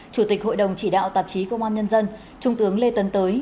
chủ tịch hội đồng chỉ đạo tạp chí công an nhân dân trung tướng lê tấn tới